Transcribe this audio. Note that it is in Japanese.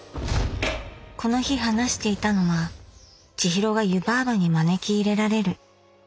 この日話していたのは千尋が湯婆婆に招き入れられるこのシーン。